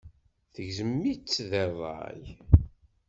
Yegzem-itt deg ṛṛay.